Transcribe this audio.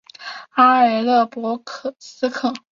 阿尔勒博斯克。